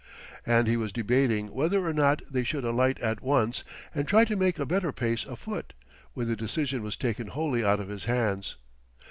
And he was debating whether or not they should alight at once and try to make a better pace afoot, when the decision was taken wholly out of his hands.